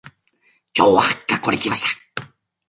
今日は、学校に行きました。